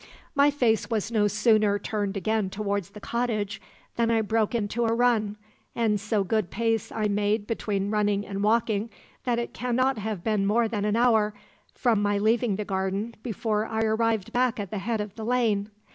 "My face was no sooner turned again towards the cottage than I broke into a run, and so good pace I made between running and walking that it cannot have been more than an hour from my leaving the garden before I arrived back at the head of the lane.